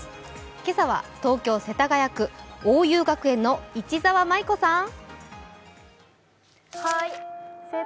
今朝は東京・世田谷区鴎友学園の市澤苺子さん！